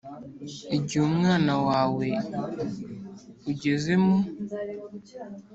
igihe umwana wawe ugeze mu